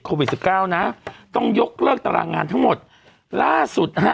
โควิดสิบเก้านะต้องยกเลิกตารางงานทั้งหมดล่าสุดนะฮะ